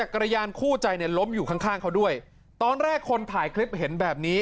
กระยานคู่ใจเนี่ยล้มอยู่ข้างข้างเขาด้วยตอนแรกคนถ่ายคลิปเห็นแบบนี้